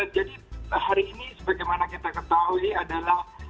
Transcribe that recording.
jadi hari ini bagaimana kita ketahui adalah